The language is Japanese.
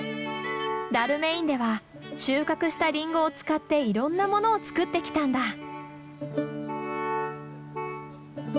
ダルメインでは収穫したリンゴを使っていろんなものを作ってきたんだ。